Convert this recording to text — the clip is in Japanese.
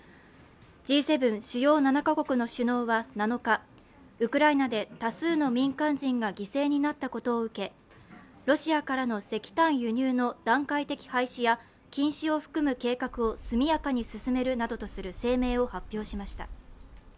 Ｇ７＝先進７か国の首脳は７日、ウクライナで多数の民間人が犠牲になったことを受け、ロシアからの石炭輸入の段階的廃止や、禁止を含む計画を速やかに進めるとなどとする声明を発表しました。